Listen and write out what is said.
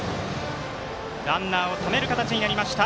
ランナーをためる形になりました。